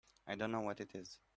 I don't know what it is.